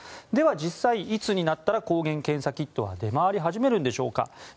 では、実際にいつになったら抗原検査キットは出回り始めるんでしょうか。